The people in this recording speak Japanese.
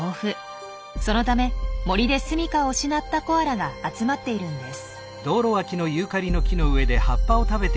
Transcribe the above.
そのため森ですみかを失ったコアラが集まっているんです。